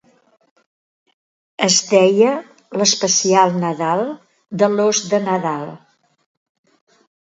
Es deia "L'especial nadal de l'ós de nadal".